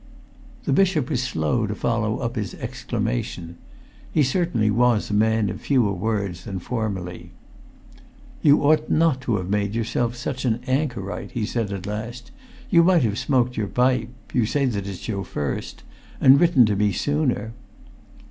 The bishop was slow to follow up his exclamation. He certainly was a man of fewer words than formerly. "You ought not to have made yourself such an anchorite," he said at last. "You might have smoked your pipe—you say that's your first—and written to me sooner!"